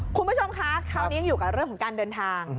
คุณผู้ชมคะคราวนี้ยังอยู่กับเรื่องของการเดินทาง